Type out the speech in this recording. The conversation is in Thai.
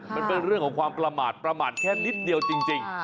มันเป็นเรื่องของความประมาทประมาทแค่นิดเดียวจริง